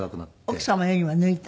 奥様よりも抜いた？